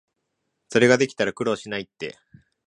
それができたら苦労しないって